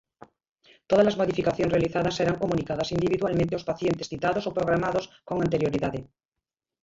Todas as modificacións realizadas serán comunicadas individualmente aos pacientes citados ou programados con anterioridade.